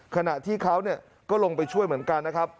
ขณะที่เขาก็ลงไปช่วยเหมือนกันนะครับ